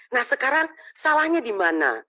nah sekarang salahnya dimana